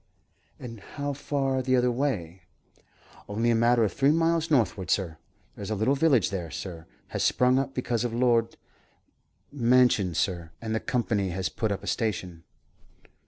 "And how far the other way?" "Only a matter of three miles northward, sir. There's a little village there, sir, has sprung up because of Lord 's mansion, sir, and the company has put up a station."